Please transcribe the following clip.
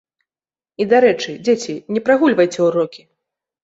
І, дарэчы, дзеці, не прагульвайце ўрокі!